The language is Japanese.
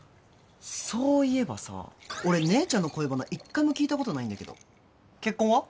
そういえばさ俺姉ちゃんの恋バナ１回も聞いたことないんだけど結婚は？